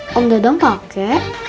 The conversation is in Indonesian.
oh enggak dong pake